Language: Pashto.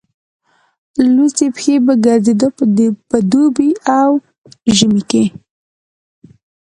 لوڅې پښې به ګرځېد په دوبي او ژمي کې.